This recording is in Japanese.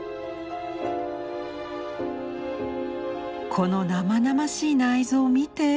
「この生々しい内臓を見て。